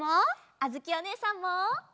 あづきおねえさんも！